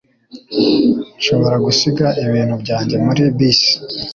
Nshobora gusiga ibintu byanjye muri bisi?